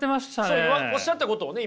そうおっしゃったことをね